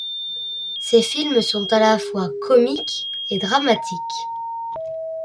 Ses films sont à la fois comique et dramatique.